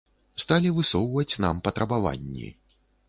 Сталі высоўваць нам патрабаванні.